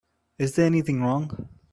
Is there anything wrong?